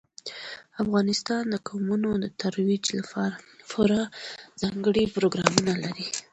افغانستان د قومونه د ترویج لپاره پوره او ځانګړي پروګرامونه لري.